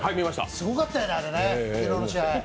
すごかったよね、昨日の試合。